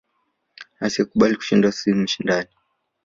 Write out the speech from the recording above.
Asiye kubali kushindwa si mshindani